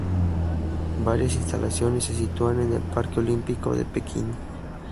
Varias instalaciones se sitúan en el Parque Olímpico de Pekín.